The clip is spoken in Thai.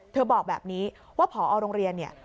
บอกแบบนี้ว่าพอโรงเรียนเนี่ย